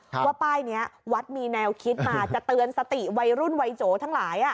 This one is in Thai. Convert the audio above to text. ว่าป้ายนี้วัดมีแนวคิดมาจะเตือนสติวัยรุ่นวัยโจทั้งหลาย